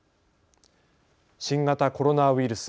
新型コロナウイルス。